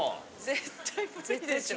・絶対無理でしょ。